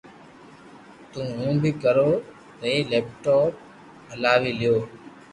تو ھون بي ڪرو ني ڪو ليپ ٽام ھلاوي ليو